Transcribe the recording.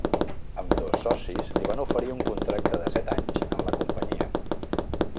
Ambdós socis li van oferir un contracte de set anys en la companyia.